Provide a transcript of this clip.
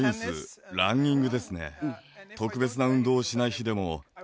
特別な運動をしない日でも。